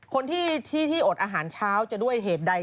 คนที่อดอาหารเช้าจะด้วยเหตุใด